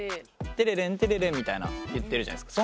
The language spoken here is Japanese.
テレレンテレレンみたいな言ってるじゃないですか。